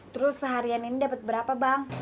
terus seharian ini dapat berapa bang